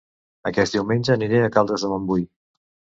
Aquest diumenge aniré a Caldes de Montbui